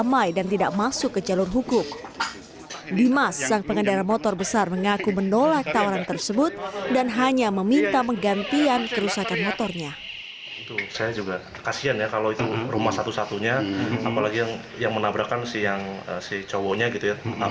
saya juga kasian ya kalau itu rumah satu satunya apalagi yang menabrakan si cowoknya gitu ya